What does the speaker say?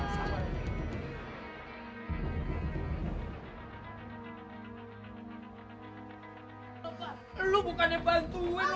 papa lu bukannya bantuin lu